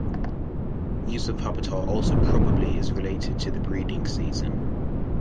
Use of habitat also probably is related to the breeding season.